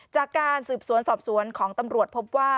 จากการสืบสวนสอบสวนของตำรวจพบว่า